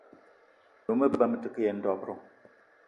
Me lou me ba me te ke yen dob-ro